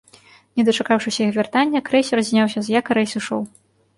Не дачакаўшыся іх вяртання, крэйсер зняўся з якара і сышоў.